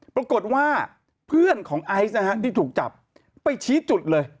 ปรากฏว่าเพื่อนของไอซ์นะฮะที่ถูกจับไปชี้จุดเลย